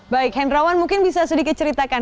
baik hendrawan mungkin bisa sedikit ceritakan